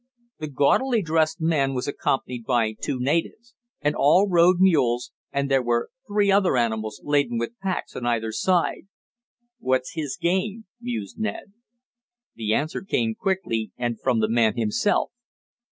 The gaudily dressed man was accompanied by two natives, and all rode mules, and there were three other animals, laden with packs on either side. "What's his game?" mused Ned. The answer came quickly and from the man himself.